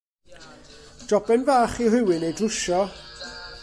Joben fach i rywun ei drwsio.